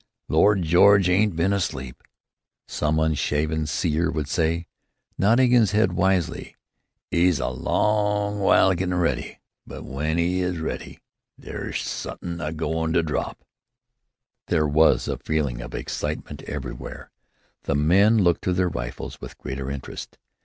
"Lloyd George ain't been asleep," some unshaven seer would say, nodding his head wisely. "'E's a long w'ile gettin' ready, but w'en 'e is ready, there's suthin' a go'n' to drop!" There was a feeling of excitement everywhere. The men looked to their rifles with greater interest.